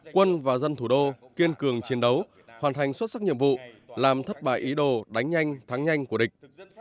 quân và dân thủ đô kiên cường chiến đấu hoàn thành xuất sắc nhiệm vụ làm thất bại ý đồ đánh nhanh thắng nhanh của địch